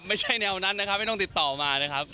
ไม่ใช่แนวนั้นนะครับไม่ต้องติดต่อมานะครับ